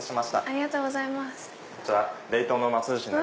ありがとうございます。